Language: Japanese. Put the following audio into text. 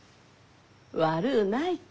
悪うないき。